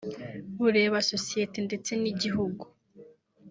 bureba sosiyete ndetse n’igihugu